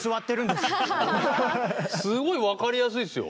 すごい分かりやすいですよ。